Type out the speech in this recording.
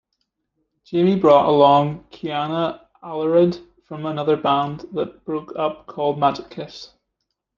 Jamie brought along Kianna Alarid from another band that broke up called Magic Kiss.